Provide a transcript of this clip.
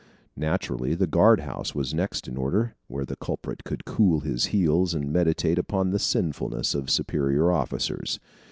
Naturally, the guardhouse was next in order, where the culprit could cool his heels and meditate upon the sinfulness of superior officers.